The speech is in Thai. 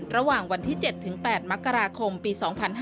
ระหว่างวันที่๗๘มกราคมปี๒๕๕๙